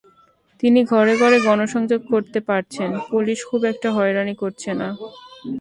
তিনি ঘরে ঘরে গণসংযোগ করতে পারছেন, পুলিশ খুব একটা হয়রানি করছে না।